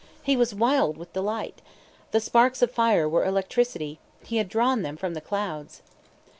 He was wild with delight. The sparks of fire were electricity; he had drawn them from the clouds.